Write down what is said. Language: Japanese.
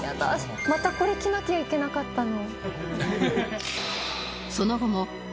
「またこれ着なきゃいけなかったの？」